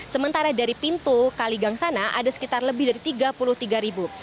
sementara dari pintu kaligang sana ada sekitar lebih dari tiga puluh tiga ribu